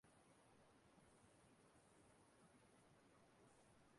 ka chi fo.